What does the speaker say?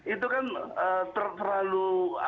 itu kan terlalu